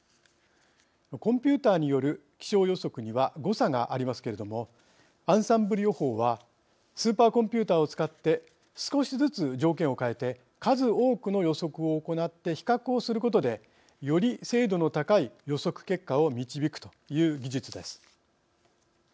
コンピューターによる気象予測には誤差がありますけれどもアンサンブル予報はスーパーコンピューターを使って少しずつ条件を変えて数多くの予測を行って比較をすることでより精度の高い予測結果を導くという技術です。